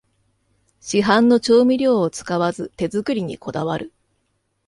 市販の調味料を使わず手作りにこだわる